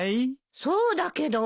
そうだけど。